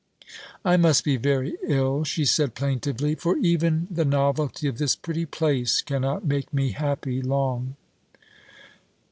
"I must be very ill," she said, plaintively; "for even the novelty of this pretty place cannot make me happy long."